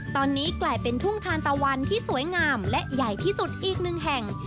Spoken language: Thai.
ตอนนี้กลายเป็นทุ่งทานตะวันที่สวยงามและใหญ่ที่สุดอีกหนึ่งแห่ง